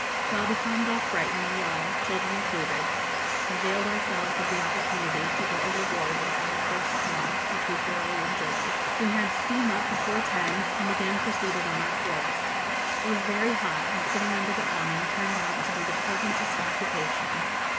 While becalmed off Brighton, we all children included availed ourselves of the opportunity to go overboard and have our first swim, which we thoroughly enjoyed. We had steam up before ten, and again proceeded on our course. It was very hot, and sitting under the awning turned out to be the pleasantest occupation.